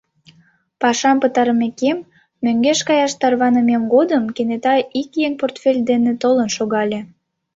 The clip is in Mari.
Пашам пытарымекем, мӧҥгеш каяш тарванымем годым кенета ик еҥ портфель дене толын шогале.